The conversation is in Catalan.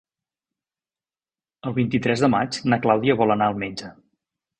El vint-i-tres de maig na Clàudia vol anar al metge.